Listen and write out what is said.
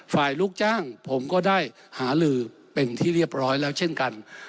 ลูกจ้างผมก็ได้หาลือเป็นที่เรียบร้อยแล้วเช่นกัน